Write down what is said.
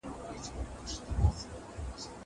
خواړه ورکړه.